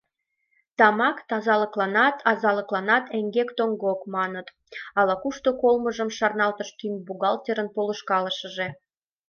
Тамак — тазалыкланат, азалыкланат эҥгек-тоҥгок, маныт, — ала-кушто колмыжым шарналтыш тӱҥ бухгалтерын полышкалышыже.